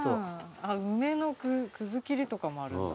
あっ梅のくずきりとかもあるんだ。